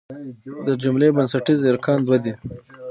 د جملې بنسټیز ارکان دوه دي.